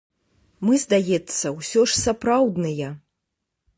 Мы, здаецца, усё ж сапраўдныя.